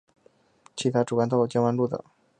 其他主干道有江湾路等。